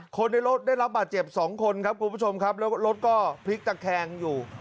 คนในรถได้รับบาดเจ็บสองคนครับคุณผู้ชมครับแล้วรถก็พลิกตะแคงอยู่